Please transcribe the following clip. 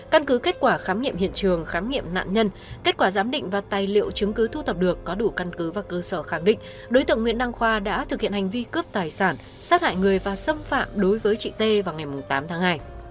căn cứ kết quả khám nghiệm hiện trường khám nghiệm nạn nhân kết quả giám định và tài liệu chứng cứ thu thập được có đủ căn cứ và cơ sở khẳng định đối tượng nguyễn đăng khoa đã thực hiện hành vi cướp tài sản sát hại người và xâm phạm đối với chị t vào ngày tám tháng hai